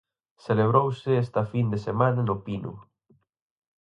Celebrouse esta fin de semana no Pino.